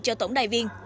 cho tổng đài viên